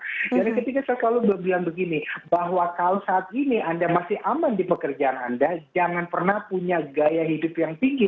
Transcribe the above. jadi ketika saya selalu bilang begini bahwa kalau saat ini anda masih aman di pekerjaan anda jangan pernah punya gaya hidup yang tinggi